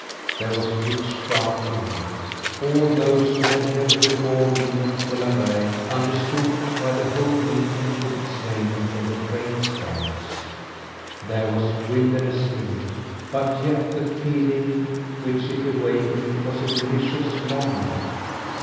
There was witchcraft in it. All those who had never before been on Kullaberg understood why the whole meeting took its name from the crane's dance. There was wildness in it; but yet the feeling which it awakened was a delicious longing.